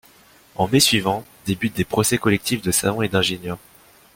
En mai suivant, débutent des procès collectifs de savants et d'ingénieurs.